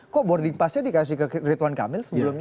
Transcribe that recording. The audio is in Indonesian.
kok boarding passnya dikasih ke rituan kamil sebelumnya